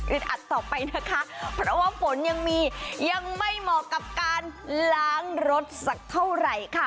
อัดต่อไปนะคะเพราะว่าฝนยังมียังไม่เหมาะกับการล้างรถสักเท่าไหร่ค่ะ